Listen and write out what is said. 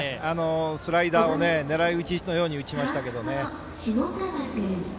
スライダーを狙い打ちのように打ちましたけど。